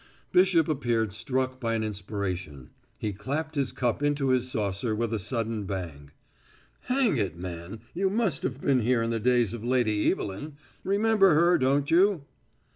Bishop appeared struck by an inspiration. He clapped his cup into its saucer with a sudden bang. "Hang it, man, you must have been here in the days of Lady Evelyn. Remember her, don't you?"